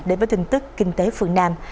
đến với tin tức kinh tế phương nam